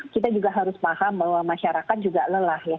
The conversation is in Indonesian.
kita juga harus paham bahwa masyarakat juga lelah ya